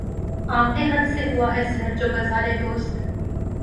آمدِ خط سے ہوا ہے سرد جو بازارِ دوست